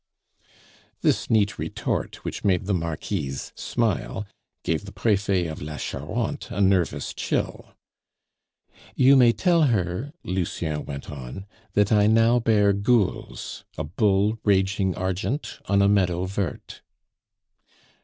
This neat retort, which made the Marquise smile, gave the Prefet of la Charente a nervous chill. "You may tell her," Lucien went on, "that I now bear gules, a bull raging argent on a meadow vert."